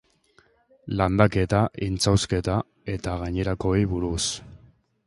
Landaketa, intsausketa eta gainerakoei buruz.